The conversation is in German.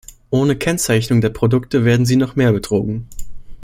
Ohne Kennzeichnung der Produkte werden sie noch mehr betrogen.